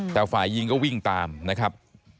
แต่ฝ่ายยิงก็วิ่งตามนะครับ